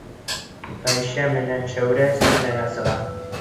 Ғәйшә менән Шәүрә сәхнәгә сыға.